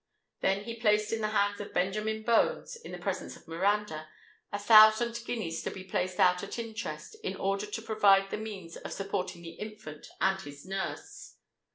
Then he placed in the hands of Benjamin Bones, in the presence of Miranda, a thousand guineas to be placed out at interest, in order to provide the means of supporting the infant and his nurse.